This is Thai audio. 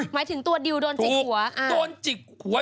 หมายถึงตัวดิวโดนจิกหัว